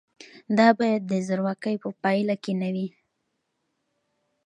دا باید د زورواکۍ په پایله کې نه وي.